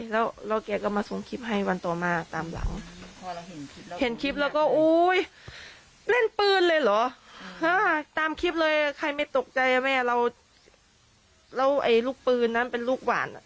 แล้วไอ๋ลูกปืนนั้นเป็นลูกหวานอะ